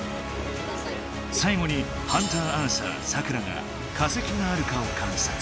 さい後にハンターアーサー・サクラが化石があるかを観察。